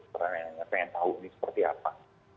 pernah nanya nanya pengen tahu ini seperti apa